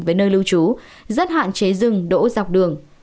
với nơi lưu trú rất hạn chế dừng đỗ dọc đường